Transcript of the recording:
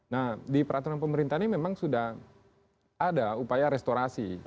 nah di peraturan pemerintah ini memang sudah ada upaya restorasi